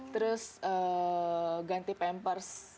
terus ganti pampers